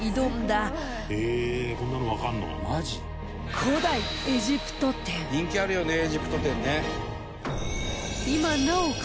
古代エジプト展伊達：人気あるよねエジプト展ね。